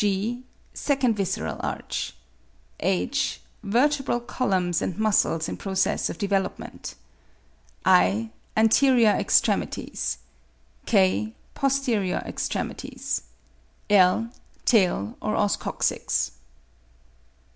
g. Second visceral arch. H. Vertebral columns and muscles in process of development. i. Anterior extremities. K. Posterior extremities. L. Tail or os coccyx.